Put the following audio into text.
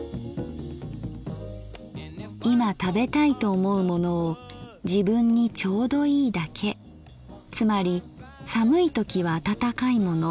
「いま食べたいと思うものを自分に丁度いいだけつまり寒いときは温かいもの